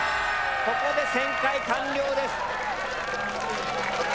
ここで旋回完了です。